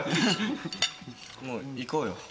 もう行こうよ。